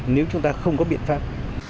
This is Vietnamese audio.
nếu chúng ta không có biện pháp